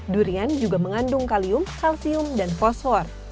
durian juga mengandung kalium kalsium dan fosfor